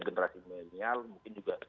generasi milenial mungkin juga